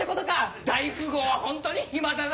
大富豪はホントに暇だな！